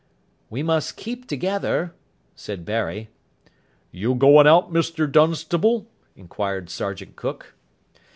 "We must keep together," said Barry. "You goin' out, Mr Dunstable?" inquired Sergeant Cook.